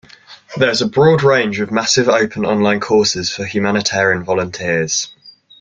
There is a broad range of massive open online courses for humanitarian volunteers.